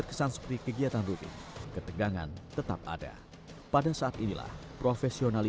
khususnya untuk mengurangkan sulit bantuan kabilitas nationalu